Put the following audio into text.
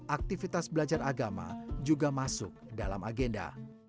aktivitas belajar agama juga masuk dalam agenda